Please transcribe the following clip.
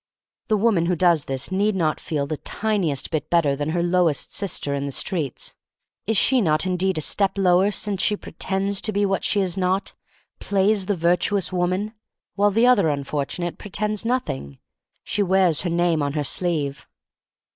The woman who does this need not feel the tiniest bit betted than her lowest sister in the streets. Is she not indeed a step lower since she pretends to be what she is not — plays the virtuous woman? While the other unfortunate pretends nothing. She wears her name on her sleeve.